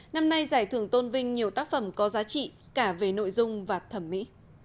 năm nay giải thưởng tôn vinh nhiều tác phẩm có giá trị cả về nội dung và thẩm mỹ